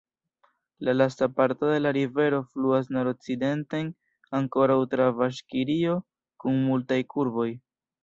La lasta parto de la rivero fluas nordokcidenten, ankoraŭ tra Baŝkirio, kun multaj kurboj.